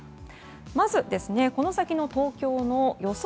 まず、この先の東京の予想